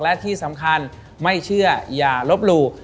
และที่สำคัญไม่เชื่ออย่าลบหลู่